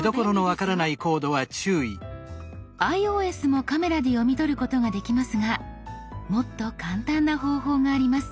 ｉＯＳもカメラで読み取ることができますがもっと簡単な方法があります。